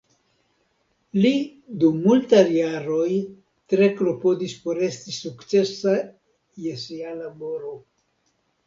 Li dum multaj jaroj tre klopodis por esti sukcesa je sia laboro.